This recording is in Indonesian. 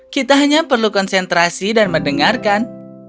kita hanya perlu konsentrasi dan mendengarkan